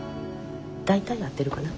大体合ってるかな。